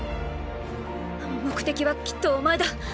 目的はきっとお前だ。